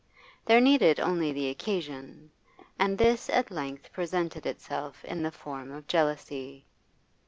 There needed only the occasion, and this at length presented itself in the form of jealousy.